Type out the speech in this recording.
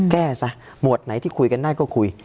แก้ซะหมวดไหนที่คุยกันได้ก็คุย